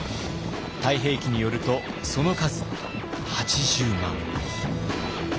「太平記」によるとその数８０万。